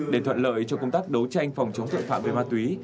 để thuận lợi cho công tác đấu tranh phòng chống tội phạm về ma túy